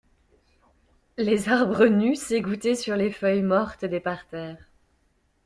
Les arbres nus s'égouttaient sur les feuilles mortes des parterres.